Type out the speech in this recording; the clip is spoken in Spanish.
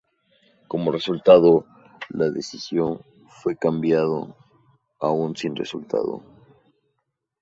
Como resultado, la decisión fue cambiado a un "Sin resultado".